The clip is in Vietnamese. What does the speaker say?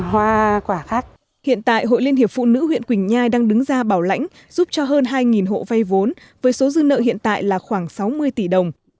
hiện tại hội liên hiệp phụ nữ huyện quỳnh nhai đang đứng ra bảo lãnh giúp cho hơn hai hộ vây vốn với số dư nợ hiện tại là khoảng sáu mươi tỷ đồng